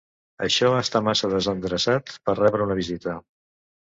Això està massa desendreçat per rebre una visita.